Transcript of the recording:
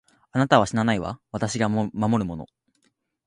あなたは死なないわ、私が守るもの。